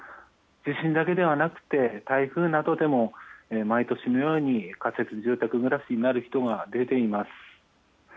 地震だけではなくて、台風などでも、毎年のように仮設住宅暮らしになる人が出ています。